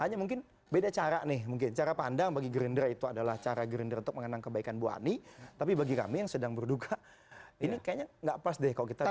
hanya mungkin beda cara nih mungkin cara pandang bagi gerindra itu adalah cara gerindra untuk mengenang kebaikan ibu ani tapi bagi kami yang sedang berduka ini kayaknya nggak pas deh kalau kita bicara